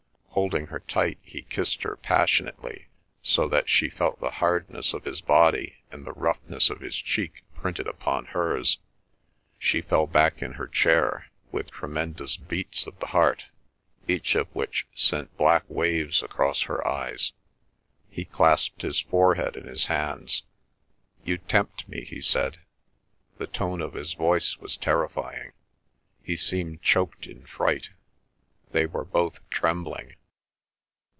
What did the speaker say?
Holding her tight, he kissed her passionately, so that she felt the hardness of his body and the roughness of his cheek printed upon hers. She fell back in her chair, with tremendous beats of the heart, each of which sent black waves across her eyes. He clasped his forehead in his hands. "You tempt me," he said. The tone of his voice was terrifying. He seemed choked in fright. They were both trembling.